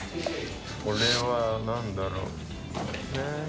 これは何だろう？